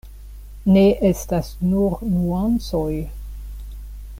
Ne estas nur nuancoj.